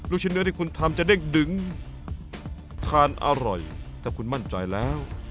ชิ้นเนื้อที่คุณทำจะเด้งดึงทานอร่อยถ้าคุณมั่นใจแล้ว